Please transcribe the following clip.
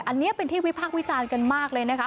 อันนี้เป็นที่วิพากษ์วิจารณ์กันมากเลยนะคะ